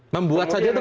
membuat saja itu kena